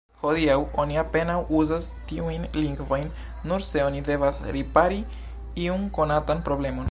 Hodiaŭ oni apenaŭ uzas tiujn lingvojn, nur se oni devas ripari iun konatan problemon.